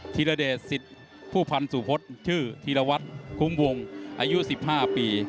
ธีรเดชสิทธิ์ผู้พันธ์สุพศชื่อธีรวัตรคุ้งวงอายุ๑๕ปี